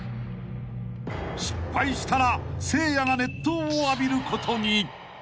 ［失敗したらせいやが熱湯を浴びることに］